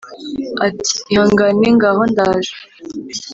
ati : ihangane ngaho ndaje